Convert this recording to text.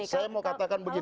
saya mau katakan begitu